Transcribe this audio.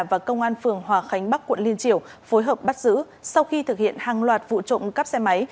và công an phường hòa khánh bắc quận liên triều phối hợp bắt giữ sau khi thực hiện hàng loạt vụ trộm cắp xe máy